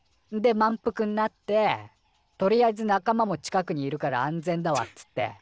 んで満腹んなって「とりあえず仲間も近くにいるから安全だわ」っつって。